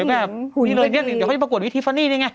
แบบนี้เลยเนี่ยเดี๋ยวเขาจะประกวดวิธีฟานี่นี่ไง